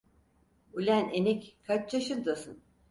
Ulen enik, kaç yaşındasın?